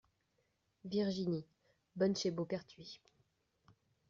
Virginie , bonne chez Beauperthuis.